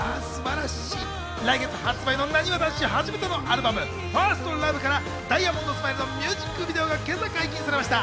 来月発売のなにわ男子、初めてのアルバム『１ｓｔＬｏｖｅ』から『ダイヤモンドスマイル』のミュージックビデオが今朝解禁されました。